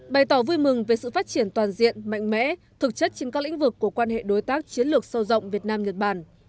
bày tỏ vui mừng về sự phát triển toàn diện mạnh mẽ thực chất trên các lĩnh vực của quan hệ đối tác chiến lược sâu rộng việt nam nhật bản